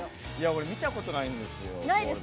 俺、見たことないんですよ。